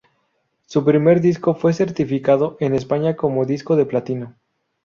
Su primer disco fue certificado en España como Disco de Platino.